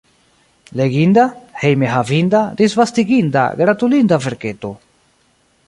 Leginda, hejme havinda, disvastiginda, gratulinda verketo.